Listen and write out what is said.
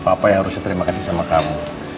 papa yang harusnya terima kasih sama kamu